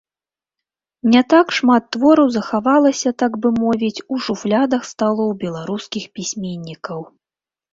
Не так шмат твораў захавалася, так бы мовіць, у шуфлядах сталоў беларускіх пісьменнікаў.